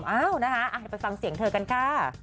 เอ้านะคะไปฟังเสียงเธอกันค่ะ